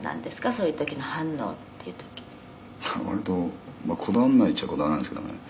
そういう時の反応っていう時」「割とこだわんないっちゃこだわらないんですけどね」